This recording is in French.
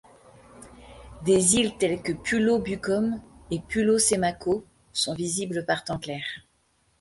Des îles telles que Pulau Bukom et Pulau Semakau sont visibles par temps clair.